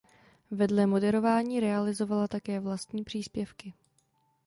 Vedle moderování realizovala také vlastní příspěvky.